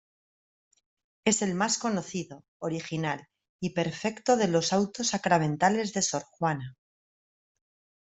Es el más conocido, original y perfecto de los autos sacramentales de Sor Juana.